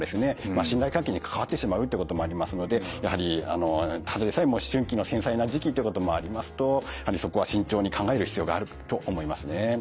信頼関係に関わってしまうということもありますのでやはりただでさえ思春期の繊細な時期っていうこともありますとやはりそこは慎重に考える必要があると思いますね。